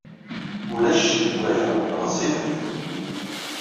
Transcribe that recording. Ulac ccekk deg waya. Ɣezzifet.